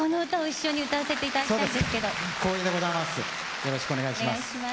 よろしくお願いします。